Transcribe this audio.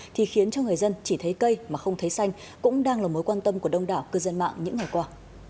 thì khiến cho người dân chỉ thấy cây mà không thấy xanh cũng đang là mối quan tâm của đông đảo cư dân mạng những ngày qua